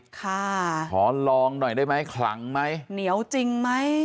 ขอลองหน่อยได้ไหมขลังไหมเหนียวจริงไหม